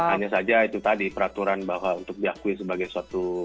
hanya saja itu tadi peraturan bahwa untuk diakui sebagai suatu